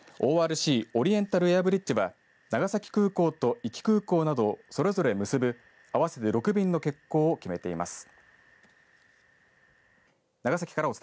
ＯＲＣ・オリエンタルエアブリッジは長崎空港と壱岐空港などそれぞれ結ぶ合わせて６便の欠航を決めています。